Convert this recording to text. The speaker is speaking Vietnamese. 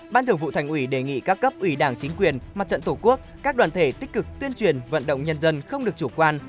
ban thường vụ thành ủy đề nghị các cấp ủy đảng chính quyền mặt trận tổ quốc các đoàn thể tích cực tuyên truyền vận động nhân dân không được chủ quan